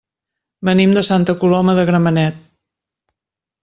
Venim de Santa Coloma de Gramenet.